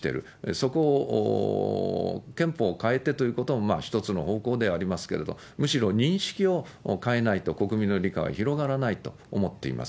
そこを、憲法を変えてということも一つの方向ではありますけれども、むしろ認識を変えないと、国民の理解は広がらないと思っています。